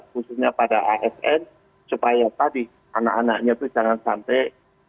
khususnya pada asn supaya tadi anak anaknya itu jangan sampai